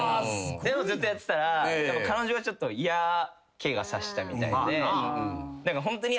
ずっとやってたら彼女がちょっと嫌気が差したみたいでホントに。